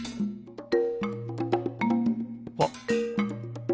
あっ！